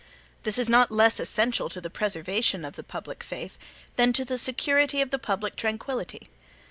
This is not less essential to the preservation of the public faith, than to the security of the public tranquillity.